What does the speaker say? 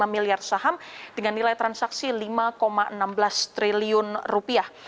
tujuh sembilan puluh lima miliar saham dengan nilai transaksi lima enam belas triliun rupiah